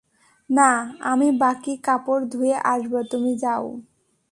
না, আমি বাকি কাপড় ধুয়ে আসব তুমি যাও।